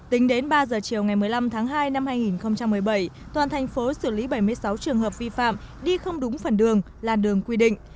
tính đến ba giờ chiều ngày một mươi năm tháng hai năm hai nghìn một mươi bảy toàn thành phố xử lý bảy mươi sáu trường hợp vi phạm đi không đúng phần đường làn đường quy định